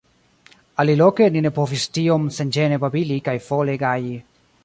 Aliloke ni ne povis tiom senĝene babili kaj fole gaji.